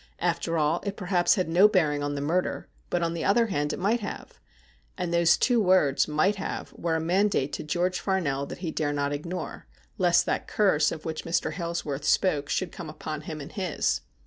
After all, it perhaps had no bearing on the murder, but, on the other hand, it might have ; and those two words ' might have ' were a mandate to George Farnell that he dare not ignore, lest that curse of which Mr. Hailsworth spoke should come upon him and his.